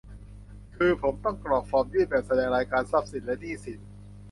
คือผมต้องกรอกฟอร์มยื่นแบบแสดงรายการทรัพย์สินและหนี้สิน